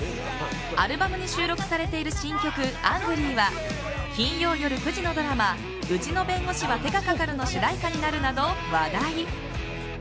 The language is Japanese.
アルバムに収録されている新曲「アングリー」は金曜夜９時のドラマ「うちの弁護士は手がかかる」の主題歌になるなど話題。